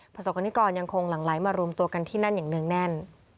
ประสบกรณิกรยังคงหลั่งไหลมารวมตัวกันที่นั่นอย่างเนื่องแน่น